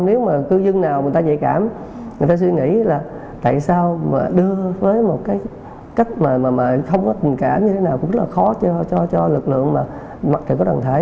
nếu mà cư dân nào người ta dạy cảm người ta suy nghĩ là tại sao mà đưa với một cái cách mà không có tình cảm như thế nào cũng rất là khó cho lực lượng mà mặc dù có đoàn thể